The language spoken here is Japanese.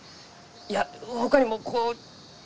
いやほかにもこう。